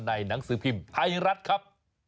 หนังสือพิมพ์ไทยรัฐครับ